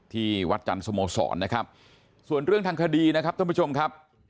ที่วัดจันทร์สโมสรนะครับส่วนเรื่องทางคดีนะครับท่านผู้ชมครับ